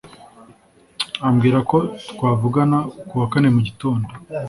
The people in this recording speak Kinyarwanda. ambwira ko twavugana kuwa kane mu gitondo